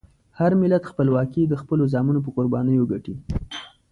هر ملت خپلواکي د خپلو زامنو په قربانیو ګټي.